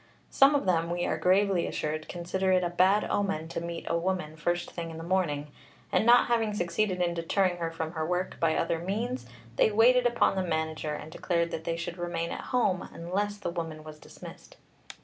Some of them, we are gravely assured, consider it a bad omen to meet a woman first thing in the morning; and not having succeeded in deterring her from her work by other means, they waited upon the manager and declared that they should remain at home unless the woman was dismissed.'